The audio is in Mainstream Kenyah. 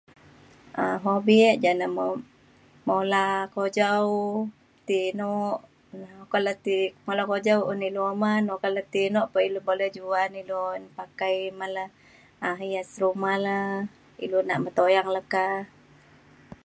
um hobi e ja ne mula kujau ti eno ke le ti pula kujau un ilu uman pekalai ti eno pa ilu boleh juan ilu un pakai me le um hias rumah le ilu nak me tuyang le ka.